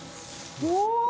お！